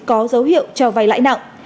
có dấu hiệu cho vai lãi nặng